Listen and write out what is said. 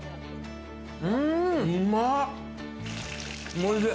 おいしい。